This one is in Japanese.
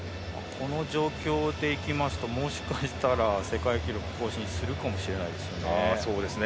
この状況でいきますともしかしたら世界記録更新するかもしれないですね。